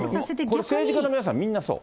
これ政治家の皆さん、みんなそう。